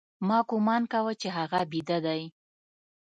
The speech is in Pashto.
ما گومان کاوه چې هغه بيده دى.